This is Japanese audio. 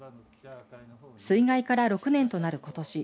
水害から６年となることし